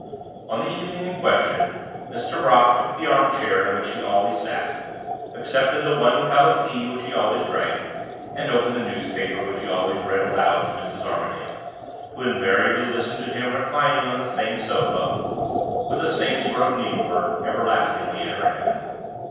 On the evening in question Mr. Brock took the arm chair in which he always sat, accepted the one cup of tea which he always drank, and opened the newspaper which he always read aloud to Mrs. Armadale, who invariably listened to him reclining on the same sofa, with the same sort of needle work everlastingly in her hand.